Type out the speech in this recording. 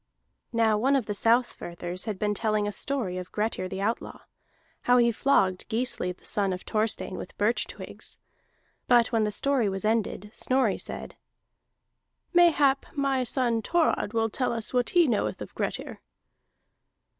Now one of the Southfirthers had been telling a story of Grettir the Outlaw, how he flogged Gisli the son of Thorstein with birch twigs. But when the story was ended, Snorri said: "Mayhap my son Thorod will tell us what he knoweth of Grettir."